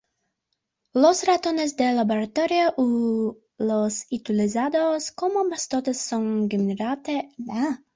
Los ratones de laboratorio y los utilizados como mascotas son generalmente blancos.